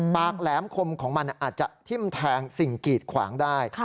แหลมคมของมันอาจจะทิ้มแทงสิ่งกีดขวางได้